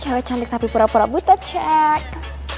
cewek cantik tapi pura pura butet cek